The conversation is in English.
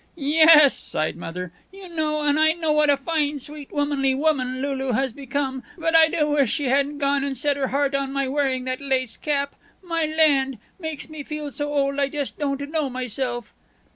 "Yes," sighed Mother. "You know and I know what a fine, sweet, womanly woman Lulu has become, but I do wish she hadn't gone and set her heart on my wearing that lace cap. My lands! makes me feel so old I just don't know myself."